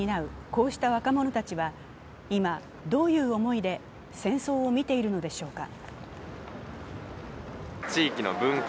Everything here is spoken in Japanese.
こうした若者たちは今どういう思いで戦争を見ているのでしょうか。